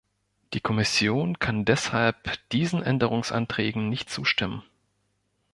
Die Kommission kann deshalb diesen Änderungsanträgen nicht zustimmen.